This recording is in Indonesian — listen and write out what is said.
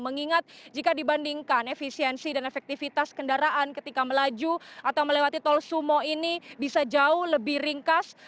mengingat jika dibandingkan efisiensi dan efektivitas kendaraan ketika melaju atau melewati tol sumo ini bisa jauh lebih ringkas